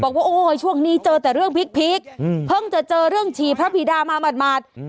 บอกว่าโอ้ยช่วงนี้เจอแต่เรื่องพลิกเพิ่งจะเจอเรื่องฉี่พระบิดามาหมาด